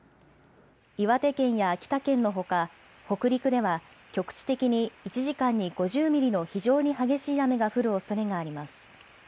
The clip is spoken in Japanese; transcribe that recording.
岩手県や秋田県のほか北陸では局地的に１時間に５０ミリの非常に激しい雨が降るおそれがあります。